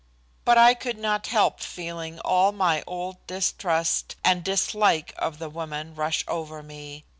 But I could not help feeling all my old distrust and dislike of the woman rush over me.